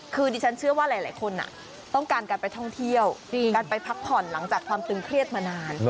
คือดิฉันเชื่อว่าหลายคนต้องการการไปท่องเที่ยวการไปพักผ่อนหลังจากความตึงเครียดมานาน